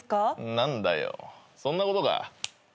何だよそんなことか。